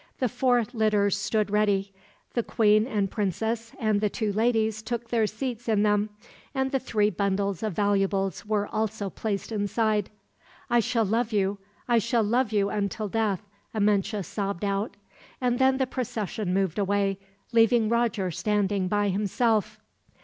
The four litters stood ready. The queen and princess and the two ladies took their seats in them, and the three bundles of valuables were also placed inside. "I shall love you I shall love you until death," Amenche sobbed out, and then the procession moved away, leaving Roger standing by himself.